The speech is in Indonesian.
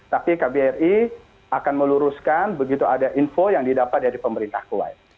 tapi kbri akan meluruskan begitu ada info yang didapat dari pemerintah kuwait